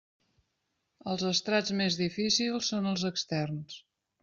Els estrats més difícils són els externs.